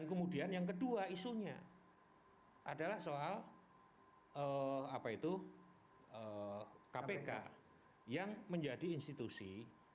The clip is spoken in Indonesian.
kemudian yang kedua isunya adalah soal kpk yang menjadi institusi